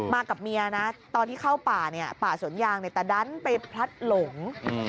มากับเมียนะตอนที่เข้าป่าสนยางแต่ดันไปพลัดหลง